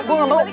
gue gak mau